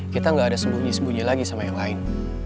kita nggak ada sembunyi sembunyi lagi sama yang lain